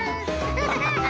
ハハハハ！